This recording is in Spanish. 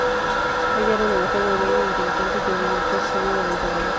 Ella era una mujer muy bella e inteligente, quien debilitó la salud del emperador.